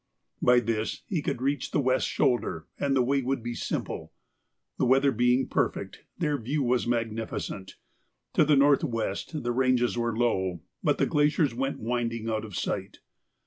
By this he could reach the west shoulder and the way would be simple. The weather being perfect, their view was magnificent. To the north west the ranges were low, but the glaciers went winding out of sight.